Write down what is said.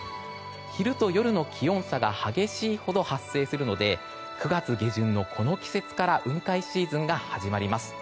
昼と夜の気温差が激しいほど発生するので９月下旬のこの季節から雲海シーズンが始まります。